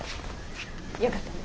よかったね。